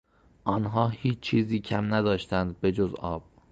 آنها هیچ چیزی کم نداشتند بجز آب